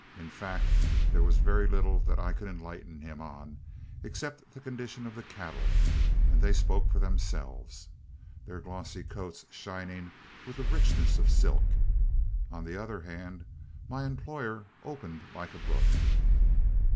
In fact there was very little that I could enlighten him on, except the condition of the cattle, and they spoke for themselves, their glossy coats shining with the richness of silk. On the other hand, my employer opened like a book.